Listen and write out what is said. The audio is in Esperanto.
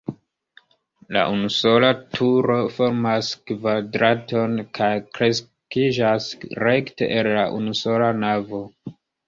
La unusola turo formas kvadraton kaj kreskiĝas rekte el la unusola navo.